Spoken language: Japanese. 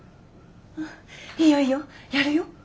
うんいいよいいよやるよ。